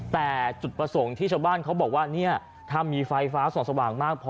แต่จุดประสงค์ที่ชาวบ้านเขาบอกว่าเนี่ยถ้ามีไฟฟ้าส่องสว่างมากพอ